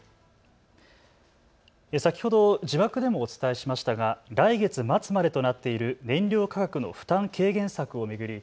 先ほど字幕でもお伝えしましたが来月末までとなっている燃料価格の負担軽減策を巡り